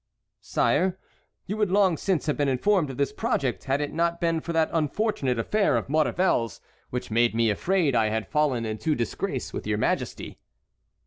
"Sire, you would long since have been informed of this project had it not been for that unfortunate affair of Maurevel's, which made me afraid I had fallen into disgrace with your Majesty."